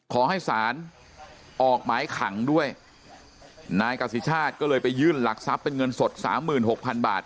ขอให้ศาลออกหมายขังด้วยนายกัศชาติก็เลยไปยื่นหลักทรัพย์เป็นเงินสด๓๖๐๐๐บาท